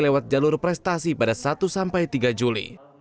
lewat jalur prestasi pada satu sampai tiga juli